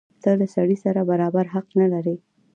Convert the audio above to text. ته له سړي سره برابر حق نه لرې.